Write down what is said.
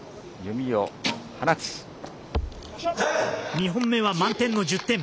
２本目は満点の１０点。